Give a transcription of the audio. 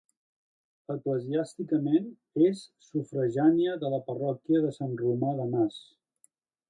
Eclesiàsticament, és sufragània de la parròquia de Sant Romà d'Anàs.